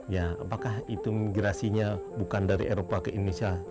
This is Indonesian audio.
ya apakah itu migrasinya bukan dari eropa ke indonesia